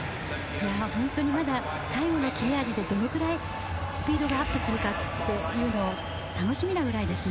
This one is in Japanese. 本当にまだ最後の切れ味でどのくらいスピードがアップするか楽しみなぐらいですね。